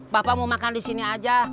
bapak mau makan disini aja